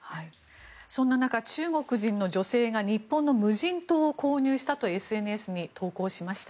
そんな中、中国人の女性が日本の無人島を購入したとＳＮＳに投稿しました。